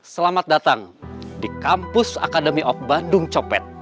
selamat datang di kampus academy of bandung copet